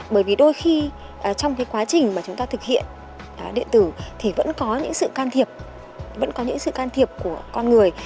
bởi vì đôi khi trong quá trình mà chúng ta thực hiện điện tử thì vẫn có những sự can thiệp của con người